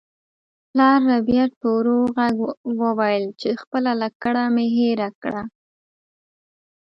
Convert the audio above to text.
پلار ربیټ په ورو غږ وویل چې خپله لکړه مې هیره کړه